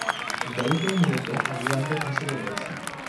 দলে তিনি মূলতঃ অল-রাউন্ডার হিসেবে রয়েছেন।